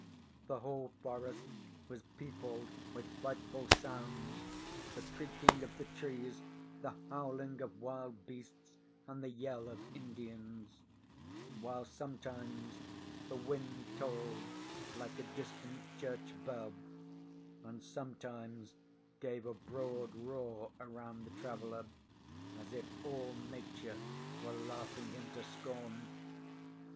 The whole forest was peopled with frightful sounds—the creaking of the trees, the howling of wild beasts, and the yell of Indians; while sometimes the wind tolled like a distant church bell, and sometimes gave a broad roar around the traveller, as if all Nature were laughing him to scorn.